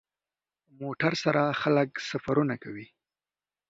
موټر سره خلک سفرونه کوي.